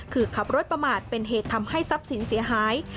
คือขับรถประมาทเป็นเหตุทำให้ทรัพย์สินเสียหาย